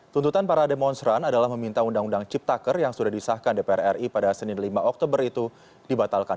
tuntutan para demonstran adalah meminta undang undang ciptaker yang sudah disahkan dpr ri pada senin lima oktober itu dibatalkan